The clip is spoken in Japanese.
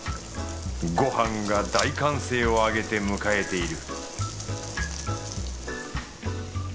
ご飯が大歓声をあげて迎えている